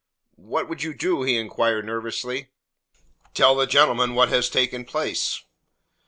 "What would you do?" he inquired nervously. "Tell the gentleman what has taken place."